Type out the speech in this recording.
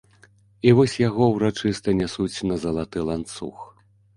І вось яго ўрачыста нясуць на залаты ланцуг.